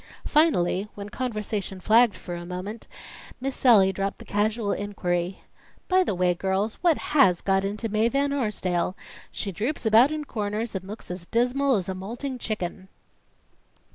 Finally, when conversation flagged for a moment, Miss Sallie dropped the casual inquiry: "By the way, girls, what has got into Mae Van Arsdale? She droops about in corners and looks as dismal as a molting chicken."